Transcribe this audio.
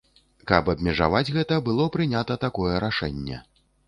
Каб абмежаваць гэта, было прынята такое рашэнне.